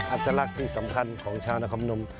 อัตลักษณ์ที่สำคัญของชาวนครนม